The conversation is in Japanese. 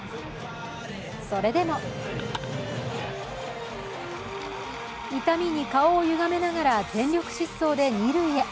それでも痛みに顔をゆがめながら全力疾走で二塁へ。